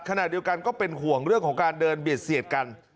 ขณะเดียวกันก็เป็นห่วงเรื่องของการเดินเบียดเสียดกัน